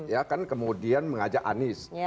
ya kan kemudian mengajak anies